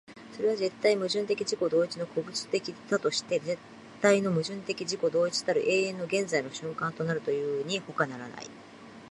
それは絶対矛盾的自己同一の個物的多として絶対の矛盾的自己同一たる永遠の現在の瞬間となるというにほかならない。